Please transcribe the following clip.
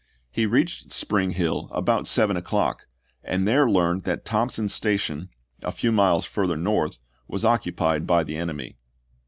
He reached Spring Hill about seven o'clock, and there learned that Thompson's Station, a few miles fur ther north, was occupied by the enemy.